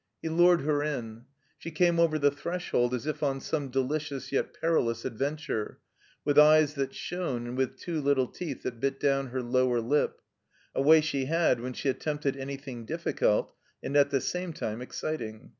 He lured her in. She came over the threshold as if on some delicious yet perilous adventure, with eyes that shone and with two little teeth that bit down her lower lip; a way she had when she at tempted anything difficult and at the same time exciting.